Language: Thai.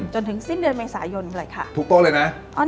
จนถึงสิ้นเดือนเมษายนถูกโต๊ะเลยนะ